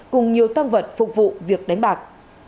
cùng nhiều tâm vật phục vụ việc đánh bạc